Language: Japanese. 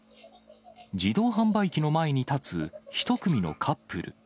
自動販売機の前に立つ１組のカップル。